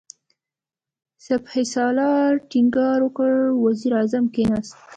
سپهسالار ټينګار وکړ، وزير اعظم کېناست.